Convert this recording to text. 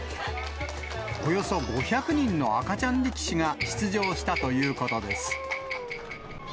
およそ５００人の赤ちゃん力士が出場したということです。